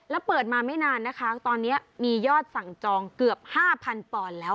แล้วเปิดมาไม่นานนะคะตอนนี้มียอดสั่งจองเกือบ๕๐๐ปอนด์แล้ว